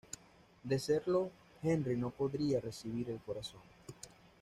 De serlo Henry no podría recibir el corazón.